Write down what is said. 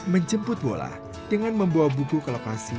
menjemput bola dengan membawa buku ke lokasi